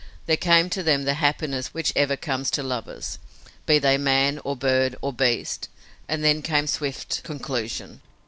There came to them the happiness which ever comes to lovers, be they man or bird or beast, and then came swift conclusion.